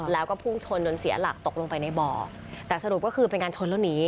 แล้วก็พุ่งชนจนเสียหลักตกลงไปในบ่อแต่สรุปก็คือเป็นการชนแล้วหนี